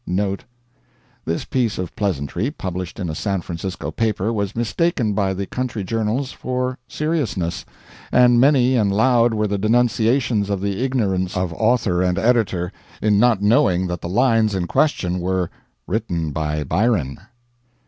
This piece of pleasantry, published in a San Francisco paper, was mistaken by the country journals for seriousness, and many and loud were the denunciations of the ignorance of author and editor, in not knowing that the lines in question were "written by Byron."